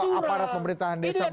atau aparat pemerintahan desa mendukung